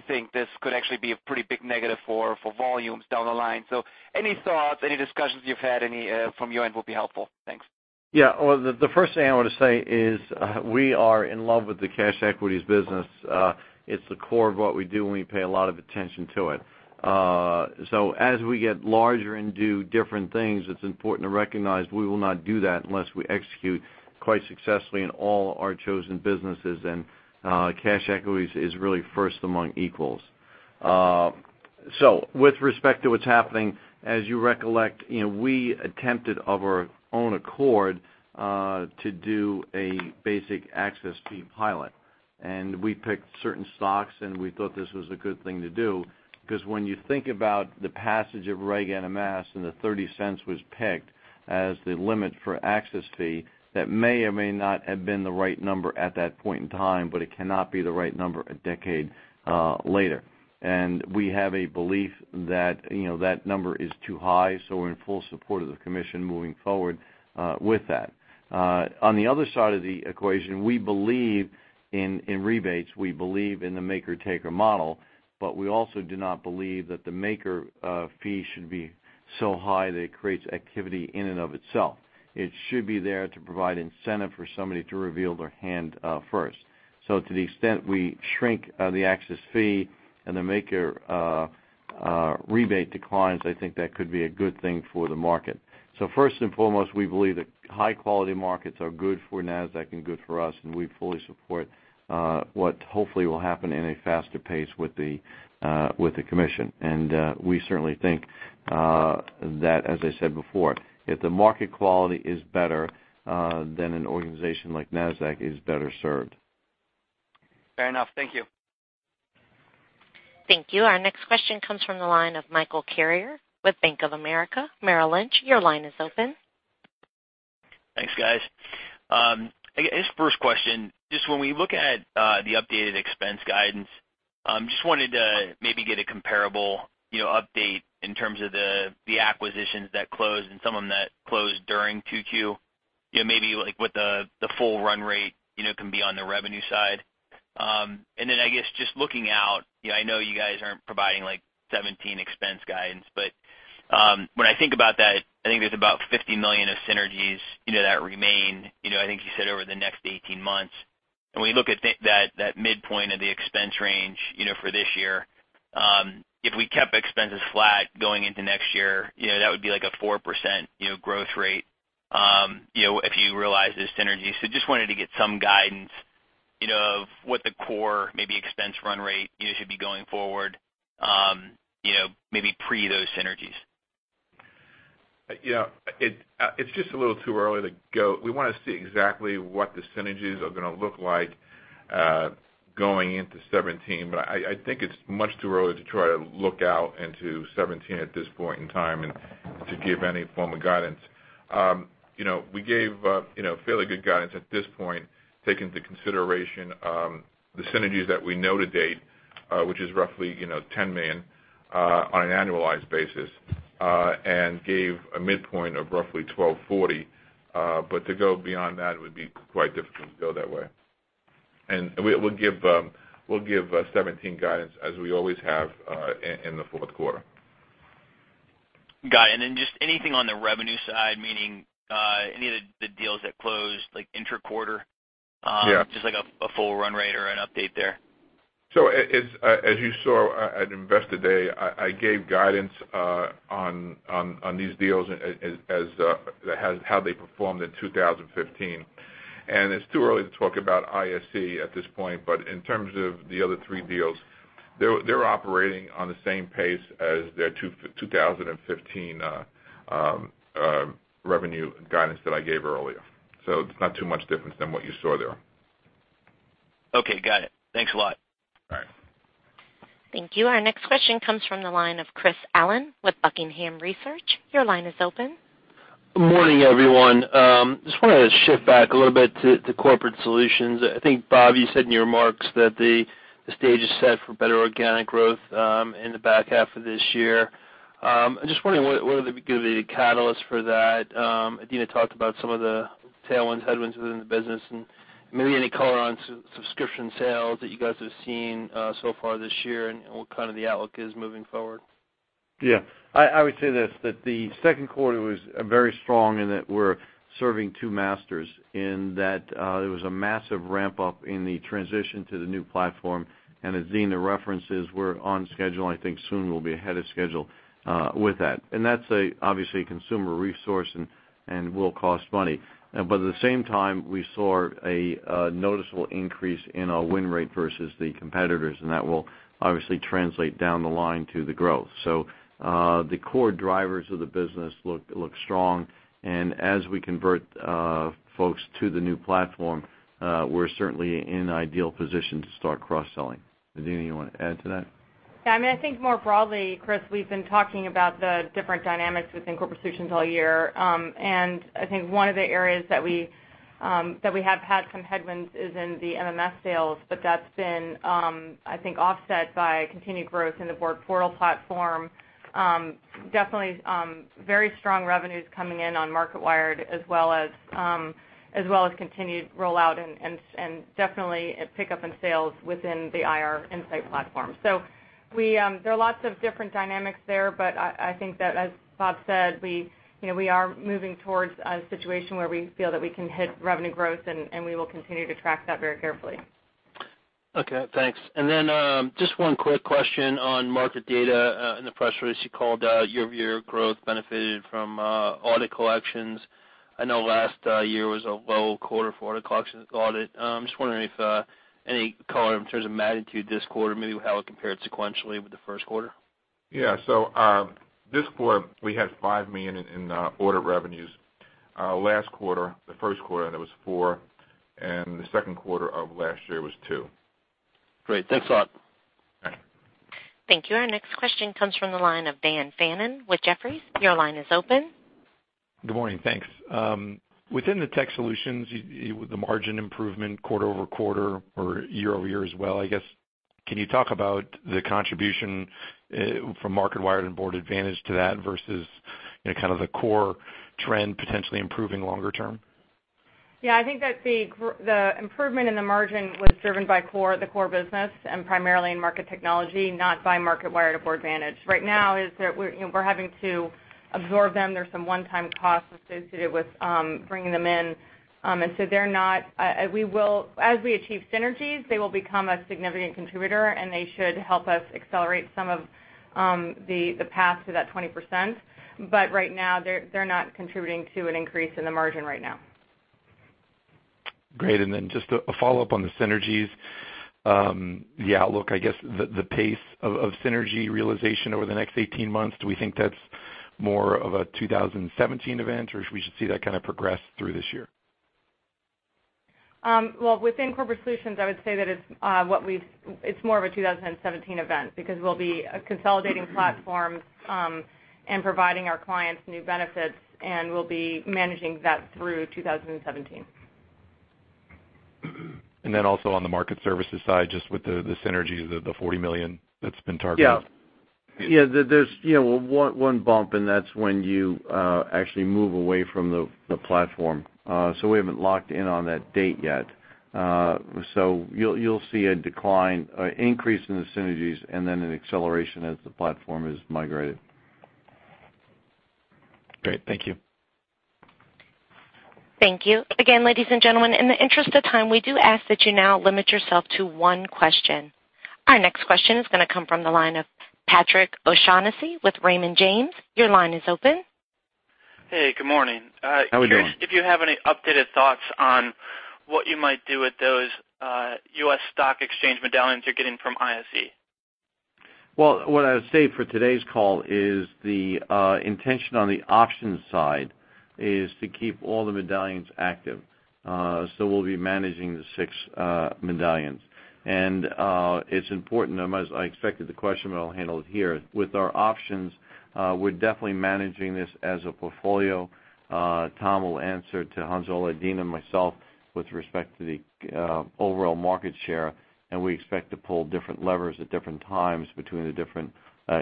think this could actually be a pretty big negative for volumes down the line. Any thoughts, any discussions you've had from your end will be helpful. Thanks. Yeah. Well, the first thing I want to say is we are in love with the cash equities business. It's the core of what we do, and we pay a lot of attention to it. As we get larger and do different things, it's important to recognize we will not do that unless we execute quite successfully in all our chosen businesses, and cash equities is really first among equals. With respect to what's happening, as you recollect, we attempted of our own accord, to do a basic access fee pilot. We picked certain stocks, we thought this was a good thing to do because when you think about the passage of Reg NMS and the $0.30 was picked as the limit for access fee, that may or may not have been the right number at that point in time, it cannot be the right number a decade later. We have a belief that that number is too high, we're in full support of the commission moving forward with that. On the other side of the equation, we believe in rebates. We believe in the maker-taker model, but we also do not believe that the maker fee should be so high that it creates activity in and of itself. It should be there to provide incentive for somebody to reveal their hand first. To the extent we shrink the access fee and the maker rebate declines, I think that could be a good thing for the market. First and foremost, we believe that high-quality markets are good for Nasdaq and good for us, we fully support what hopefully will happen in a faster pace with the commission. We certainly think that, as I said before, if the market quality is better, then an organization like Nasdaq is better served. Fair enough. Thank you. Thank you. Our next question comes from the line of Michael Carrier with Bank of America Merrill Lynch. Your line is open. Thanks, guys. First question, when we look at the updated expense guidance, wanted to maybe get a comparable update in terms of the acquisitions that closed and some of them that closed during 2Q. Maybe what the full run rate can be on the revenue side. Looking out, I know you guys aren't providing 2017 expense guidance, but when I think about that, I think there's about $50 million of synergies that remain, I think you said, over the next 18 months. When you look at that midpoint of the expense range for this year, if we kept expenses flat going into next year, that would be like a 4% growth rate, if you realize those synergies. Wanted to get some guidance of what the core maybe expense run rate should be going forward, maybe pre those synergies. It's a little too early to go. We want to see exactly what the synergies are going to look like going into 2017. I think it's much too early to try to look out into 2017 at this point in time and to give any form of guidance. We gave fairly good guidance at this point, taking into consideration the synergies that we know to date, which is roughly $10 million on an annualized basis, and gave a midpoint of roughly $1,240 million. To go beyond that would be quite difficult to go that way. We'll give 2017 guidance as we always have in the fourth quarter. Got it. Anything on the revenue side, meaning any of the deals that closed intra-quarter- Yeah A full run rate or an update there. As you saw at Investor Day, I gave guidance on these deals as how they performed in 2015. It's too early to talk about ISE at this point, but in terms of the other three deals, they're operating on the same pace as their 2015 revenue guidance that I gave earlier. It's not too much difference than what you saw there. Okay. Got it. Thanks a lot. All right. Thank you. Our next question comes from the line of Chris Allen with Buckingham Research. Your line is open. Good morning, everyone. Just wanted to shift back a little bit to Corporate Solutions. I think, Bob, you said in your remarks that the stage is set for better organic growth in the back half of this year. I'm just wondering what are going to be the catalysts for that. Adena talked about some of the tailwinds, headwinds within the business, and maybe any color on subscription sales that you guys have seen so far this year and what kind of the outlook is moving forward. Yeah. I would say this, that the second quarter was very strong and that we're serving two masters, in that there was a massive ramp-up in the transition to the new platform. Adena references we're on schedule, and I think soon we'll be ahead of schedule with that. That's obviously a consumer resource and will cost money. At the same time, we saw a noticeable increase in our win rate versus the competitors, and that will obviously translate down the line to the growth. The core drivers of the business look strong, and as we convert folks to the new platform, we're certainly in ideal position to start cross-selling. Adena, you want to add to that? Yeah, I think more broadly, Chris, we've been talking about the different dynamics within Corporate Solutions all year. I think one of the areas that we have had some headwinds is in the MMS sales, but that's been, I think, offset by continued growth in the BoardPortal platform. Definitely very strong revenues coming in on Marketwired as well as continued rollout and definitely a pickup in sales within the IR Insight platform. There are lots of different dynamics there, but I think that as Bob said, we are moving towards a situation where we feel that we can hit revenue growth, and we will continue to track that very carefully. Okay, thanks. Just one quick question on Market Data. In the press release, you called out year-over-year growth benefited from audit collections. I know last year was a low quarter for audit collections. I'm just wondering if any color in terms of magnitude this quarter, maybe how it compared sequentially with the first quarter? Yeah. This quarter, we had $5 million in audit revenues. Last quarter, the first quarter, that was $4 million, and the second quarter of last year was $2 million. Great. Thanks a lot. Okay. Thank you. Our next question comes from the line of Daniel Fannon with Jefferies. Your line is open. Good morning. Thanks. Within the Tech Solutions, the margin improvement quarter-over-quarter or year-over-year as well, I guess, can you talk about the contribution from Marketwired and Boardvantage to that versus kind of the core trend potentially improving longer term? Yeah, I think that the improvement in the margin was driven by the core business and primarily in Market Technology, not by Marketwired or Boardvantage. Right now, we're having to absorb them. There's some one-time costs associated with bringing them in. As we achieve synergies, they will become a significant contributor, and they should help us accelerate some of the path to that 20%. Right now, they're not contributing to an increase in the margin right now. Great. Just a follow-up on the synergies, the outlook, I guess the pace of synergy realization over the next 18 months, do we think that's more of a 2017 event, or we should see that kind of progress through this year? Well, within Corporate Solutions, I would say that it's more of a 2017 event because we'll be consolidating platforms and providing our clients new benefits, and we'll be managing that through 2017. Also on the Market Services side, just with the synergies, the $40 million that's been targeted. Yeah. There's one bump, and that's when you actually move away from the platform. We haven't locked in on that date yet. You'll see an increase in the synergies and then an acceleration as the platform is migrated. Great. Thank you. Thank you. Again, ladies and gentlemen, in the interest of time, we do ask that you now limit yourself to one question. Our next question is going to come from the line of Patrick O'Shaughnessy with Raymond James. Your line is open. Hey, good morning. How we doing? Curious if you have any updated thoughts on what you might do with those U.S. stock exchange medallions you're getting from ISE. What I would say for today's call is the intention on the options side is to keep all the medallions active. We'll be managing the six medallions. It's important, I expected the question, but I'll handle it here. With our options, we're definitely managing this as a portfolio. Tom will answer to Hans-Ole, Adena, myself with respect to the overall market share, and we expect to pull different levers at different times between the different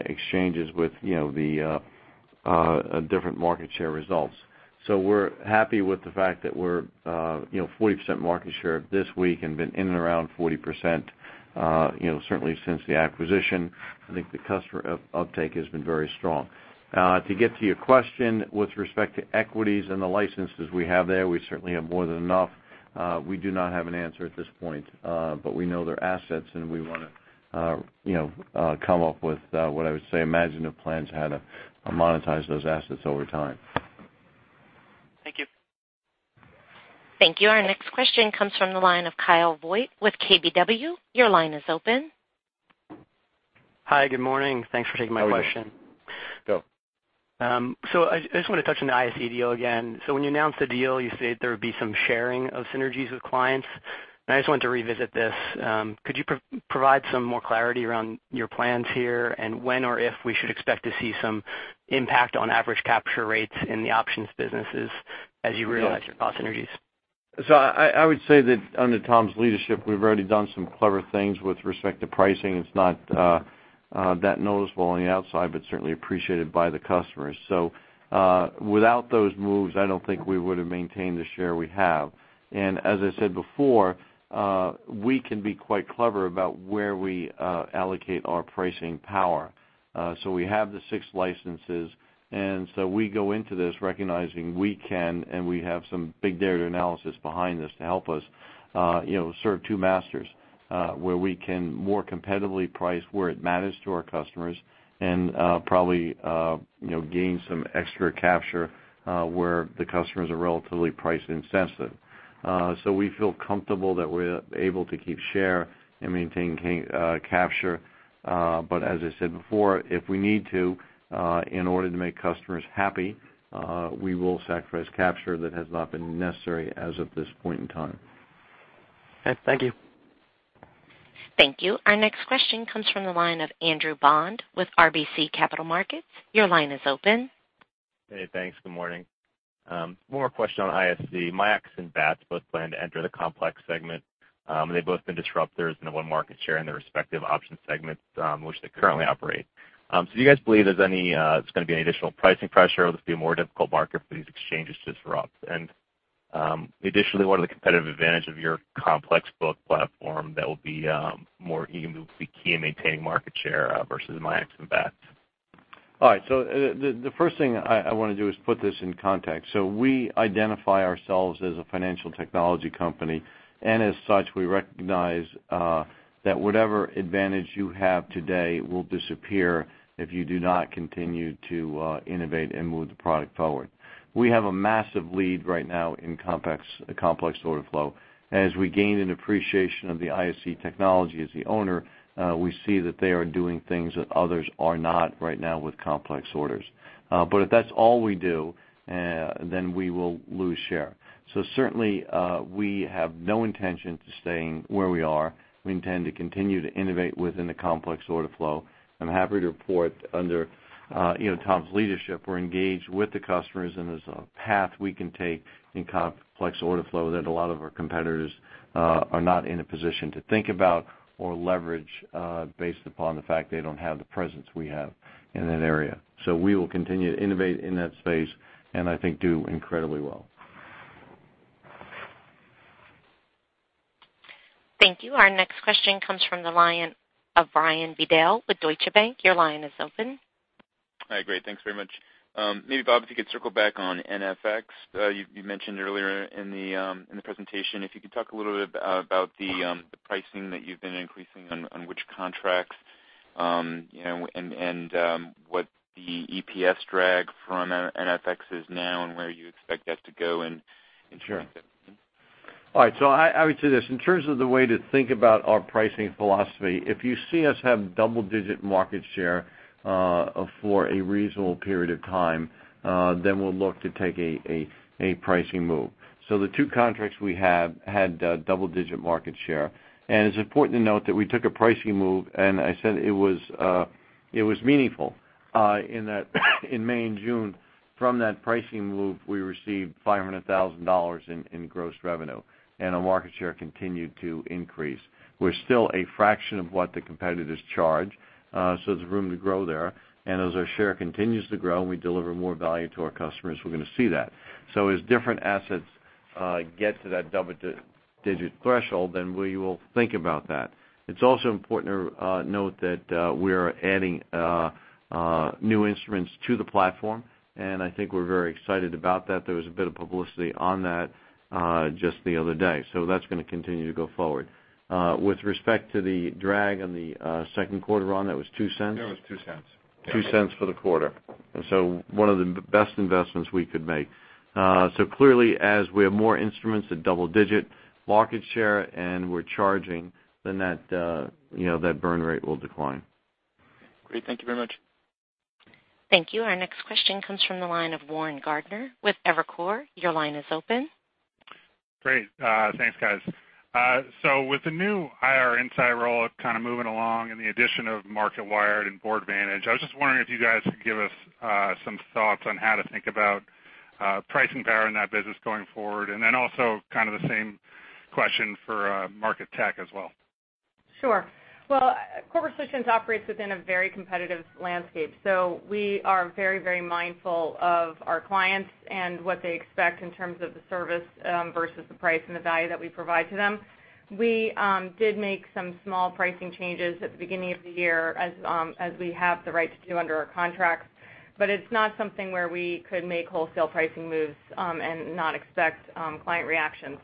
exchanges with the different market share results. We're happy with the fact that we're 40% market share this week and been in and around 40% certainly since the acquisition. I think the customer uptake has been very strong. To get to your question with respect to equities and the licenses we have there, we certainly have more than enough. We do not have an answer at this point. We know they're assets, and we want to come up with what I would say imaginative plans how to monetize those assets over time. Thank you. Thank you. Our next question comes from the line of Kyle Voigt with KBW. Your line is open. Hi, good morning. Thanks for taking my question. How are you? Go. I just want to touch on the ISE deal again. When you announced the deal, you said there would be some sharing of synergies with clients, and I just wanted to revisit this. Could you provide some more clarity around your plans here and when or if we should expect to see some impact on average capture rates in the options businesses as you realize your cost synergies? I would say that under Tom's leadership, we've already done some clever things with respect to pricing. It's not that noticeable on the outside, but certainly appreciated by the customers. Without those moves, I don't think we would've maintained the share we have. As I said before, we can be quite clever about where we allocate our pricing power. We have the six licenses, we go into this recognizing we can, and we have some big data analysis behind this to help us serve two masters, where we can more competitively price where it matters to our customers and probably gain some extra capture where the customers are relatively price insensitive. We feel comfortable that we're able to keep share and maintain capture. As I said before, if we need to in order to make customers happy, we will sacrifice capture that has not been necessary as of this point in time. Okay, thank you. Thank you. Our next question comes from the line of Andrew Bond with RBC Capital Markets. Your line is open. Hey, thanks. Good morning. One more question on ISE. MIAX and BATS both plan to enter the complex segment. They've both been disruptors in the won market share in their respective option segments in which they currently operate. Do you guys believe there's going to be any additional pricing pressure or this will be a more difficult market for these exchanges to disrupt? Additionally, what are the competitive advantage of your complex book platform that will be key in maintaining market share versus MIAX and BATS? All right. The first thing I want to do is put this in context. We identify ourselves as a financial technology company, and as such, we recognize that whatever advantage you have today will disappear if you do not continue to innovate and move the product forward. We have a massive lead right now in complex order flow. As we gain an appreciation of the ISE technology as the owner, we see that they are doing things that others are not right now with complex orders. If that's all we do, we will lose share. Certainly, we have no intention to staying where we are. We intend to continue to innovate within the complex order flow. I'm happy to report under Tom's leadership, we're engaged with the customers, and there's a path we can take in complex order flow that a lot of our competitors are not in a position to think about or leverage based upon the fact they don't have the presence we have in that area. We will continue to innovate in that space and I think do incredibly well. Thank you. Our next question comes from the line of Brian Bedell with Deutsche Bank. Your line is open. Hi. Great, thanks very much. Maybe, Bob, if you could circle back on NFX. You mentioned earlier in the presentation, if you could talk a little bit about the pricing that you've been increasing on which contracts, and what the EPS drag from NFX is now and where you expect that to go. Sure. All right. I would say this, in terms of the way to think about our pricing philosophy, if you see us have double-digit market share for a reasonable period of time, we'll look to take a pricing move. The two contracts we have had double-digit market share, it's important to note that we took a pricing move, and I said it was meaningful in May and June from that pricing move, we received $500,000 in gross revenue, and our market share continued to increase. We're still a fraction of what the competitors charge. There's room to grow there. As our share continues to grow and we deliver more value to our customers, we're going to see that. As different assets get to that double-digit threshold, we will think about that. It's also important to note that we're adding new instruments to the platform, I think we're very excited about that. There was a bit of publicity on that just the other day. That's going to continue to go forward. With respect to the drag on the second quarter, Ron, that was $0.02? That was $0.02. $0.02 for the quarter. One of the best investments we could make. Clearly, as we have more instruments at double-digit market share and we're charging, then that burn rate will decline. Great. Thank you very much. Thank you. Our next question comes from the line of Warren Gardiner with Evercore. Your line is open. Great. Thanks, guys. With the new IR Insight rollout kind of moving along and the addition of Marketwired and Boardvantage, I was just wondering if you guys could give us some thoughts on how to think about pricing power in that business going forward, and then also kind of the same question for MarketTech as well. Sure. Well, Corporate Solutions operates within a very competitive landscape, we are very mindful of our clients and what they expect in terms of the service versus the price and the value that we provide to them. We did make some small pricing changes at the beginning of the year as we have the right to do under our contracts, but it's not something where we could make wholesale pricing moves and not expect client reaction.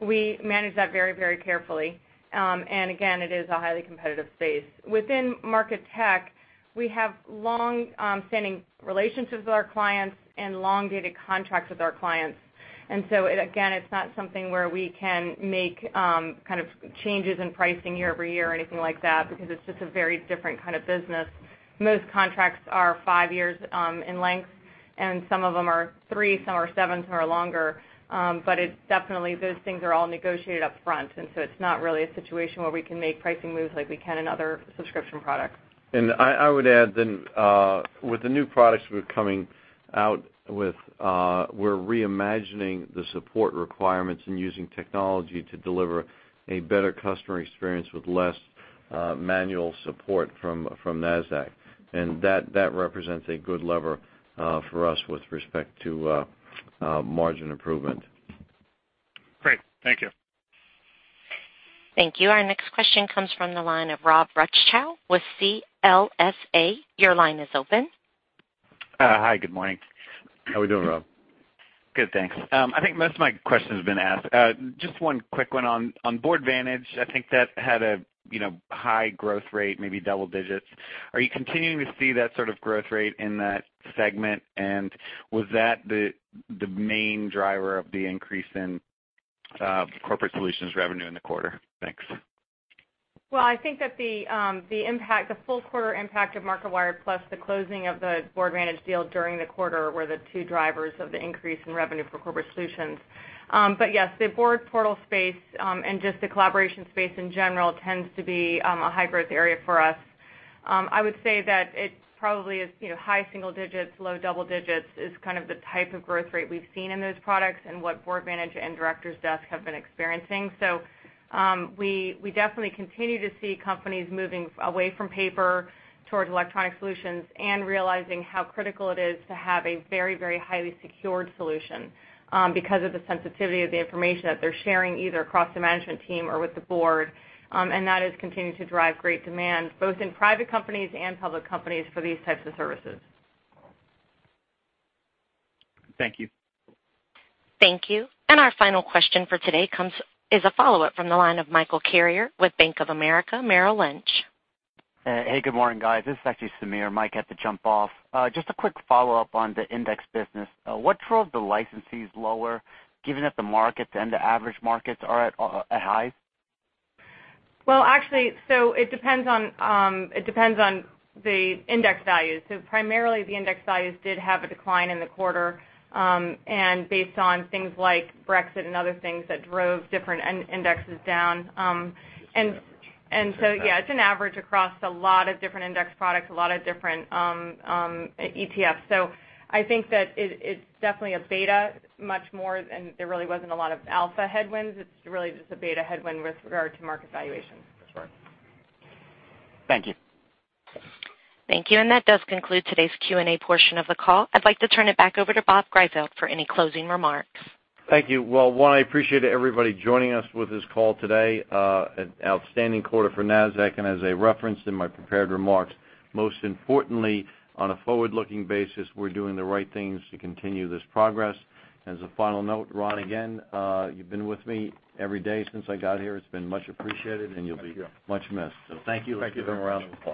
We manage that very carefully. Again, it is a highly competitive space. Within MarketTech, we have longstanding relationships with our clients and long-dated contracts with our clients. Again, it's not something where we can make changes in pricing year over year or anything like that because it's just a very different kind of business. Most contracts are five years in length, some of them are three, some are seven, some are longer. Those things are all negotiated up front, it's not really a situation where we can make pricing moves like we can in other subscription products. I would add then, with the new products we're coming out with, we're reimagining the support requirements and using technology to deliver a better customer experience with less manual support from Nasdaq. That represents a good lever for us with respect to margin improvement. Great. Thank you. Thank you. Our next question comes from the line of Rob Rutschow with CLSA. Your line is open. Hi. Good morning. How we doing, Rob? Good, thanks. I think most of my question's been asked. Just one quick one on Boardvantage. I think that had a high growth rate, maybe double digits. Are you continuing to see that sort of growth rate in that segment? Was that the main driver of the increase in Corporate Solutions revenue in the quarter? Thanks. Well, I think that the full quarter impact of Marketwired, plus the closing of the Boardvantage deal during the quarter were the two drivers of the increase in revenue for Corporate Solutions. Yes, the board portal space, and just the collaboration space in general tends to be a high-growth area for us. I would say that it probably is high single digits, low double digits is kind of the type of growth rate we've seen in those products and what Boardvantage and Directors Desk have been experiencing. We definitely continue to see companies moving away from paper towards electronic solutions and realizing how critical it is to have a very highly secured solution because of the sensitivity of the information that they're sharing, either across the management team or with the board. That has continued to drive great demand, both in private companies and public companies for these types of services. Thank you. Thank you. Our final question for today is a follow-up from the line of Michael Carrier with Bank of America Merrill Lynch. Hey, good morning, guys. This is actually Samir. Mike had to jump off. Just a quick follow-up on the index business. What drove the licensees lower, given that the markets and the average markets are at highs? Well, actually, it depends on the index values. Primarily, the index values did have a decline in the quarter, and based on things like Brexit and other things that drove different indexes down. It's the average. Yeah, it's an average across a lot of different index products, a lot of different ETFs. I think that it's definitely a beta much more than there really wasn't a lot of alpha headwinds. It's really just a beta headwind with regard to market valuations. That's right. Thank you. Thank you. That does conclude today's Q&A portion of the call. I'd like to turn it back over to Bob Greifeld for any closing remarks. Thank you. Well, one, I appreciate everybody joining us with this call today. An outstanding quarter for Nasdaq, and as I referenced in my prepared remarks, most importantly, on a forward-looking basis, we're doing the right things to continue this progress. As a final note, Ron, again, you've been with me every day since I got here. It's been much appreciated. Thank you You'll be much missed. Thank you. Thank you. Let's give him a round of applause.